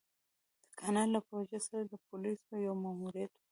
د کانال له پروژې سره د پوليسو يو ماموريت و.